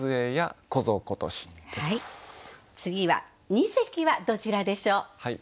次は二席はどちらでしょう？